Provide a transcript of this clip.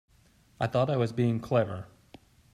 I thought I was being clever.